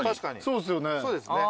そうですよね。